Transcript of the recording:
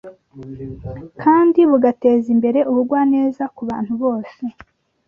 kandi bugateza imbere ubugwaneza ku bantu bose